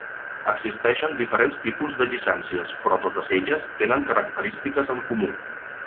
Existeixen diferents tipus de llicències, però totes elles tenen característiques en comú.